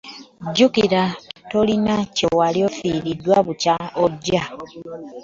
Jjukira tolina kye wali ofiiriddwa bukya ojja.